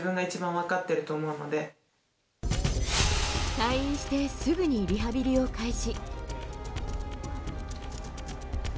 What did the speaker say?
退院してすぐにリハビリを開始。